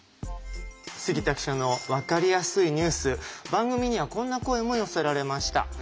杉田記者のわかりやすいニュース番組にはこんな声も寄せられました。